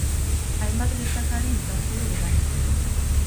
Hainbat gertakari izan ziren eragileak.